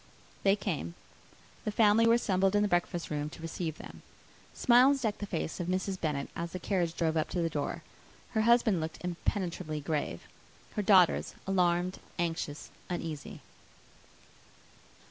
They came. The family were assembled in the breakfast room to receive them. Smiles decked the face of Mrs. Bennet, as the carriage drove up to the door; her husband looked impenetrably grave; her daughters, alarmed, anxious, uneasy.